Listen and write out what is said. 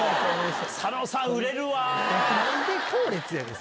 何で後列やねん！